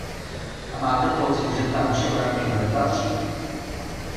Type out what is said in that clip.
A máte pocit, že tam či onam někdo nepatří?